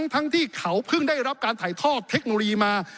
ทั้งที่เขาเพิ่งได้รับการถ่ายทอดเทคโนโลยีมา